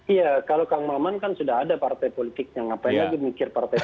iya kalau kang maman kan sudah ada partai politiknya ngapain lagi mikir partai mana